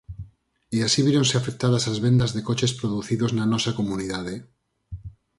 E así víronse afectadas as vendas de coches producidos na nosa comunidade.